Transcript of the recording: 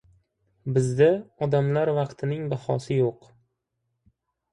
Bizda odamlar vaqtining bahosi yo‘q.